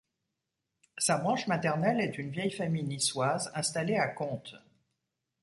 Sa branche maternelle est une vieille famille niçoise installée à Contes.